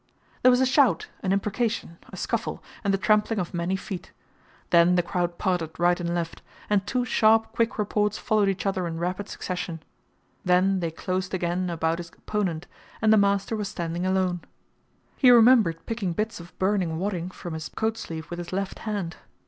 There was a shout, an imprecation, a scuffle, and the trampling of many feet. Then the crowd parted right and left, and two sharp quick reports followed each other in rapid succession. Then they closed again about his opponent, and the master was standing alone. He remembered picking bits of burning wadding from his coat sleeve with his left hand.